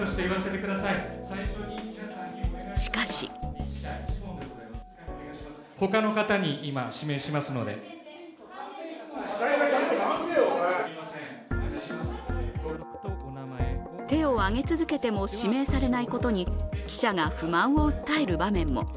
しかし手を挙げ続けても指名されないことに記者が不満を訴える場面も。